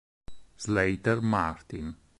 Slater Martin